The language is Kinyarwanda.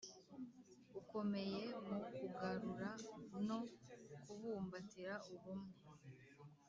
ukomeye mu kugarura no kubumbatira ubumwe